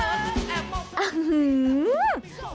อ้าฮึ